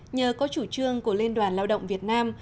nhờ có chủ trương của liên đoàn lao động việt nam